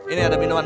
ini ada minuman